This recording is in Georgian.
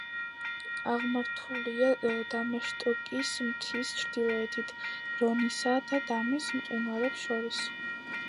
აღმართულია დამაშტოკის მთის ჩრდილოეთით, რონისა და დამის მყინვარებს შორის.